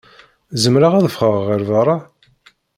Zemreɣ ad ffɣeɣ ɣer beṛṛa?